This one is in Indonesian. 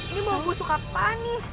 ini bau busuk apaan nih